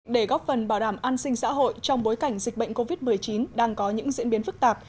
để góp phần bảo đảm an sinh xã hội trong bối cảnh dịch bệnh covid một mươi chín đang có những diễn biến phức tạp